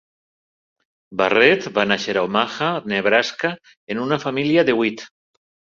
Barrett va néixer a Omaha, Nebraska, en una família de vuit.